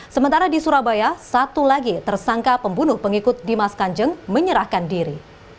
sementara di surabaya satu lagi tersangka pembunuh pengikut dimas kanjeng menyerahkan diri